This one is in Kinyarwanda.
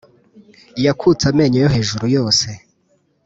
Yakutse amenyo yohejuru yose